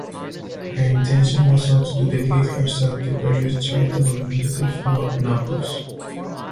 Her intention was also to dedicate herself to various charitable initiatives throughout Naples.